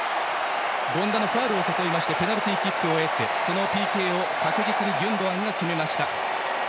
権田のファウルを誘ってペナルティーキックを得てそのＰＫを確実にギュンドアンが決めました。